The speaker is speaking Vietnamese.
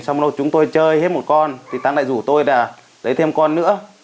xong rồi chúng tôi chơi hết một con thì thắng lại rủ tôi là lấy thêm con nữa